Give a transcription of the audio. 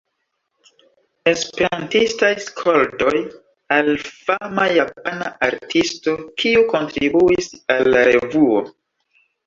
Esperantistaj skoldoj al fama japana artisto, kiu kontribuis al la revuo.